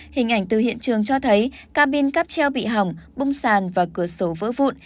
hình ảnh từ hiện trường cho thấy cabin cắp treo bị hỏng bung sàn và cửa sổ vỡ vụn